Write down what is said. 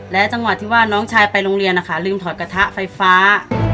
จังหวะที่ว่าน้องชายไปโรงเรียนนะคะลืมถอดกระทะไฟฟ้า